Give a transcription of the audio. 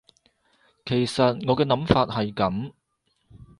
其實我嘅諗法係噉